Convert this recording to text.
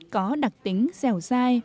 có đặc tính dẻo dai